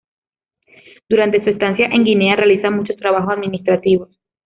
Durante su estancia en Guinea realiza muchos trabajos administrativos.